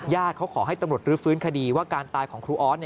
ญาติขอให้ตำรดฤฟื้นคดีว่าการตายของครูอ๊อส